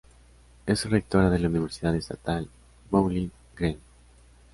Es rectora de la Universidad Estatal Bowling Green.